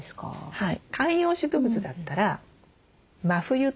はい。